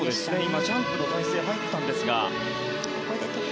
今、ジャンプの体勢に入ったんですが。